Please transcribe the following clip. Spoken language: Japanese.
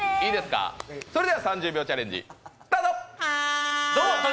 それでは３０秒チャレンジ、スタート！